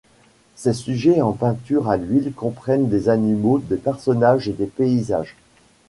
Ses sujets en peinture à l'huile comprennent des animaux, des personnages et des paysages.